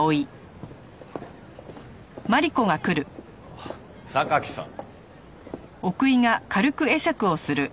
あっ榊さん。